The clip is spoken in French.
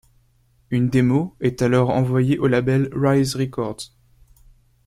Une démo est alors envoyé au label Rise Records.